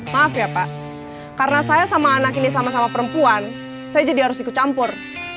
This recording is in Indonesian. maaf ya pak karena saya sama anak ini sama sama perempuan saya jadi harus ikut campur